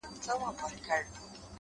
زما گلاب زما سپرليه. ستا خبر نه راځي.